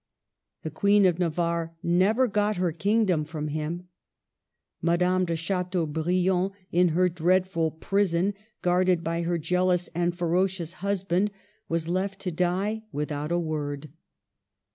The Queen of Navarre never got her kingdom from him. Madame de Chateaubriand, in her dreadful prison guarded by her jealous and ferocious husband, was left to die without a word.